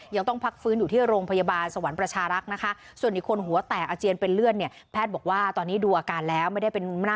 ยังต้องพักฟื้นอยู่ที่โรงพยาบาลสวรรค์ประชารักษณ์นะคะ